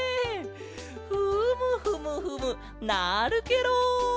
フムフムフムなるケロ！